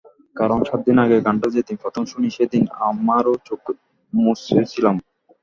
কারণ, সাত দিন আগে গানটা যেদিন প্রথম শুনি, সেদিন আমরাও চোখ মুছেছিলাম।